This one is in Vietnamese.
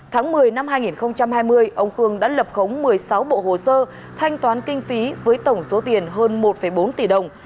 tháng một mươi năm hai nghìn hai mươi ông khương đã lập khống một mươi sáu bộ hồ sơ thanh toán kinh phí với tổng số tiền hơn một bốn tỷ đồng